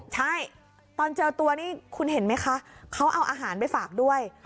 ใช่ตอนเจอตัวนี่คุณเห็นไหมคะเขาเอาอาหารไปฝากด้วย